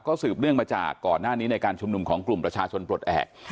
สืบเนื่องมาจากก่อนหน้านี้ในการชุมนุมของกลุ่มประชาชนปลดแอบ